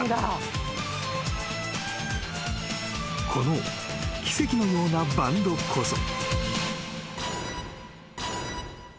［この奇跡のようなバンドこそ］